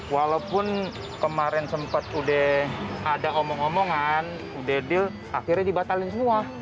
walaupun kemarin sempat udah ada omong omongan udah deal akhirnya dibatalin semua